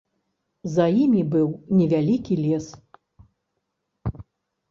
За імі быў невялікі лес.